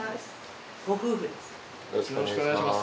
よろしくお願いします。